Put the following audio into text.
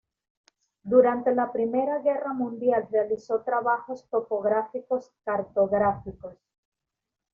Durante la Primera Guerra Mundial realizó trabajos topográficos cartográficos.